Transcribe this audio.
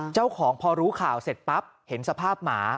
เจ้าของพอรู้ข่าวเสร็จปั๊บเห็นสภาพหมา